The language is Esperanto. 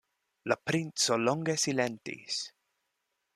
La princo longe silentis.